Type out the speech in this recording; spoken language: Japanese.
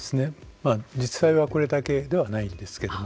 実際はこれだけではないんですけども。